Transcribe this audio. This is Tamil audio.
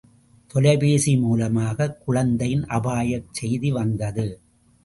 தொலைபேசி மூலமாக குழந்தையின் அபாயச் செய்தி வந்தது.